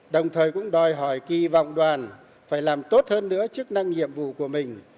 đồng thời cũng đòi hỏi kỳ vọng đoàn phải làm tốt hơn nữa chức năng nhiệm vụ của mình